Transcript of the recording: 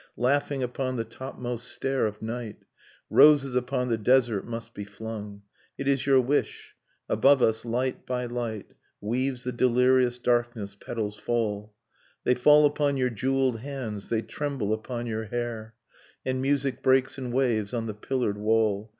Laughing upon the topmost stair of night; Roses upon the desert must be flung. It is your wish. . .Above us, light by light. Weaves the delirious darkness, petals fall. They fall upon your jewelled hands, they tremble upon your hair, — And music breaks in waves on the pillared wall.